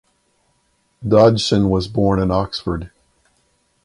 Dodgson was born in Oxford.